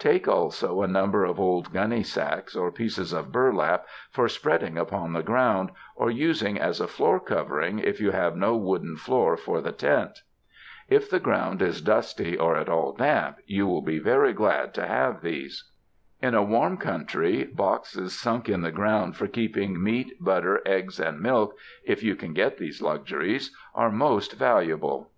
Take also a number of old gunny sacks or pieces of burlap for spreading upon the ground, or using as a floor covering if you have no wooden floor for the tent. If the ground is 60 THE MOUNTAINS dusty or at all damp you will be very glad to have these. In a warm country, boxes sunk in the ground for keeping meat, butter, eggs and milk (if you can get these luxuries), are most valuable.